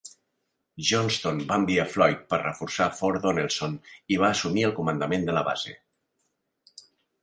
Johnston va enviar Floyd per reforçar Fort Donelson i va assumir el comandament de la base.